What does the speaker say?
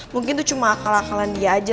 mungkin itu cuma akal akalan dia aja